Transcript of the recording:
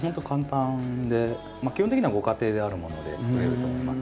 基本的にはご家庭であるもので作れると思います。